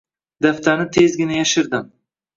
Daftarni tezgina yashirdim